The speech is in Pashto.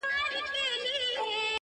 دا پاته عمر ملګي کومه ښه کومه ,